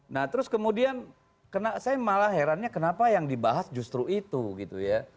nah terus kemudian saya malah herannya kenapa yang dibahas justru itu gitu ya